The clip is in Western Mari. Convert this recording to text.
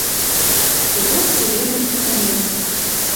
Седок пеледеш писӓнетшӹ.